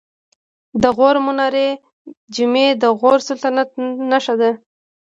د غور منارې جمعې د غوري سلطنت نښه ده